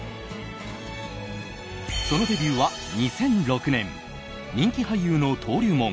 そのデビューは２００６年人気俳優の登竜門